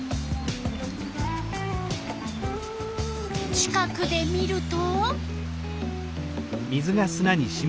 近くで見ると？